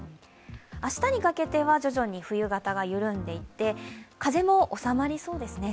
明日にかけては徐々に冬型が緩んでいって風も収まりそうですね。